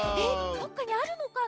どっかにあるのかな。